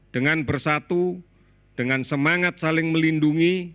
dengan bersatu dengan semangat saling melindungi